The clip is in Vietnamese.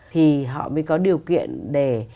thì họ mới có điều kiện để